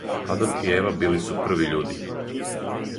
Адам и Ева били су први људи